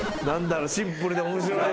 シンプルで面白い。